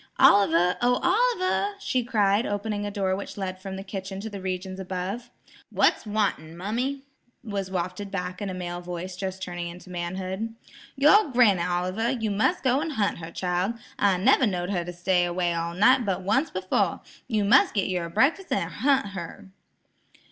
Oliver oh–Oliver!" she cried, opening a door which led from the kitchen to the regions above. "What's wanting, mummy?" was wafted back in a male voice just turning into manhood. "Your granny, Oliver; you must go hunt her child. I never knowed her to stay away all night but once befo'. You mus' git your breakfas' an' hunt her."